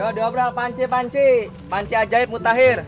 ya dobra panci panci panci ajaib mutakhir